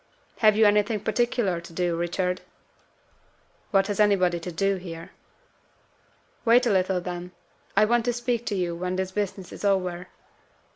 "Have you anything particular to do, Richard?" "What has anybody to do here?" "Wait a little, then. I want to speak to you when this business is over."